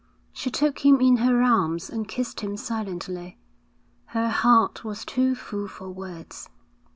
She took him in her arms and kissed him silently. Her heart was too full for words.